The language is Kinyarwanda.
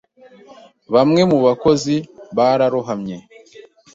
Bamwe mu bakozi bararohamye.